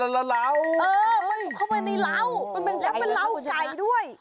เออมันเข้ามาในเล่าแล้วเป็นเล่าไก่ด้วย